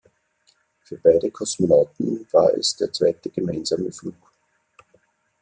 Für beide Kosmonauten war es der zweite gemeinsame Flug.